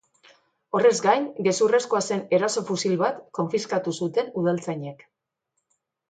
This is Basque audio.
Horrez gain, gezurrezkoa zen eraso-fusil bat konfiskatu zuten udaltzainek.